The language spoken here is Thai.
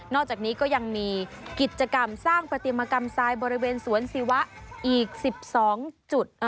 อกจากนี้ก็ยังมีกิจกรรมสร้างปฏิมากรรมทรายบริเวณสวนศิวะอีก๑๒จุด